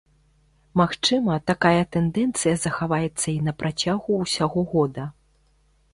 Магчыма, такая тэндэнцыя захаваецца і на працягу ўсяго года.